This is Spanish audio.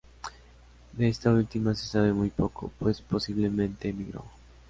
De esta última se sabe muy poco, pues posiblemente emigró.